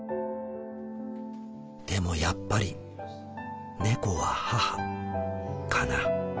でもやっぱり猫は母かな。